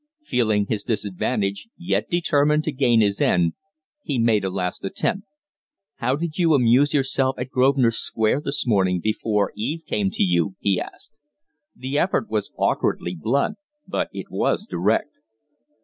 Feeling his disadvantage, yet determined to gain his end, he made a last attempt. "How did you amuse yourself at Grosvenor Square this morning before Eve came to you?" he asked. The effort was awkwardly blunt, but it was direct.